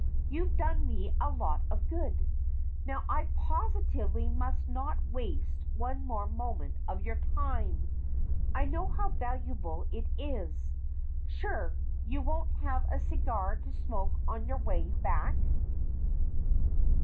You've done me a lot of good. Now I positively must not waste one more moment of your time. I know how valuable it is. Sure you won't have a cigar to smoke on your way back?